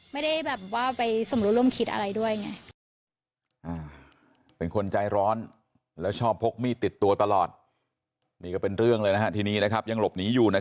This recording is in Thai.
ไม่ได้แบบว่าไปสมรู้ร่วมคิดอะไรด้วยไง